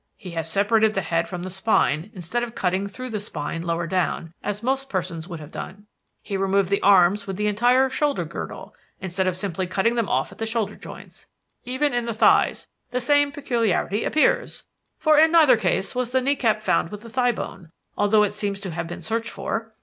He has separated the head from the spine, instead of cutting through the spine lower down, as most persons would have done: he removed the arms with the entire shoulder girdle, instead of simply cutting them off at the shoulder joints. Even in the thighs the same peculiarity appears; for in neither case was the knee cap found with the thigh bone, although it seems to have been searched for.